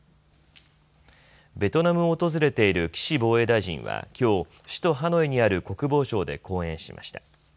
ベトナムを訪れている岸防衛大臣は、きょう首都ハノイにある国防省で講演しました。